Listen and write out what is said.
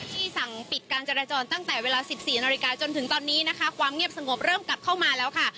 สั่งปิดการจราจรตั้งแต่เวลา๑๔นาฬิกาจนถึงตอนนี้นะคะความเงียบสงบเริ่มกลับเข้ามาแล้วค่ะ